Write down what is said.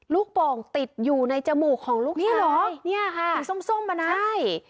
ลูกโป่งติดอยู่ในจมูกของลูกชายเนี่ยเหรอเนี่ยค่ะหัวส้มส้มมาน่ะใช่